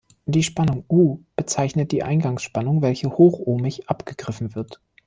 Die Spannung "U" bezeichnet die Eingangsspannung, welche hochohmig abgegriffen wird.